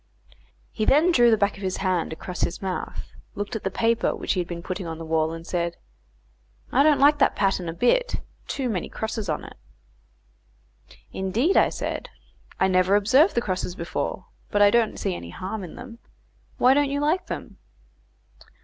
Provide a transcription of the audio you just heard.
He then drew the back of his hand across his mouth, looked at the paper which he had been putting on the wall, and said, "I don't like that pattern a bit; too many crosses on it." "Indeed," I said, "I never observed the crosses before, but I don't see any harm in them. Why don't you like them?"